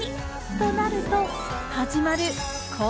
となると、始まる恋。